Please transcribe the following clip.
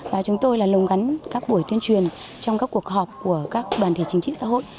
và chúng tôi là lồng gắn các buổi tuyên truyền trong các cuộc họp của các đoàn thể chính trị xã hội